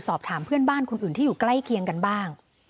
สอบถามเพื่อนบ้านคนอื่นที่อยู่ใกล้เคียงกันบ้าง